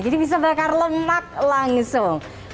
jadi bisa bakar lemak letaknya terus merekaojak ini pertama kali ya xd